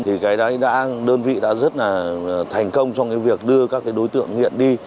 thì cái đấy đơn vị đã rất là thành công trong việc đưa các đối tượng nghiện đi